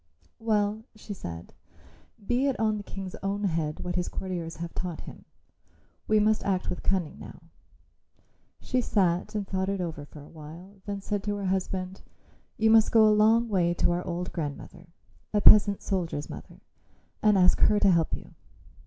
"Well," she said. "Be it on the King's own head what his courtiers have taught him. We must act with cunning now." She sat and thought it over for a while; then said to her husband, "You must go a long way to our old grandmother, a peasant soldier's mother, and ask her to help you.